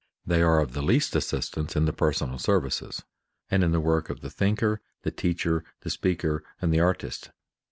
They are of the least assistance in the personal services, and in the work of the thinker, the teacher, the speaker, and the artist.